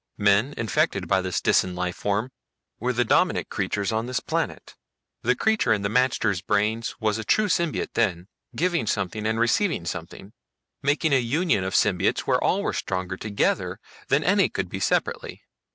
Men infected by this Disan life form were the dominant creatures on this planet. The creature in the magters' brains was a true symbiote then, giving something and receiving something, making a union of symbiotes where all were stronger together than any could be separately.